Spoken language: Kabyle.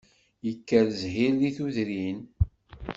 Yekker zzhir di tudrin